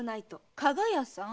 加賀屋さん？